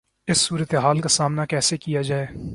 اس صورتحال کا سامنا کیسے کیا جائے؟